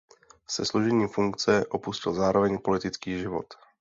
Se složením funkce opustil zároveň politický život.